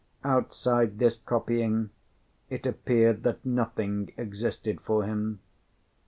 Outside this copying, it appeared that nothing existed for him.